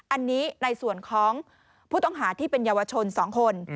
อันนี้ในส่วนของผู้ต้องหาที่เป็นเยาวชน๒คน